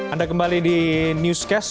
anda kembali di newscast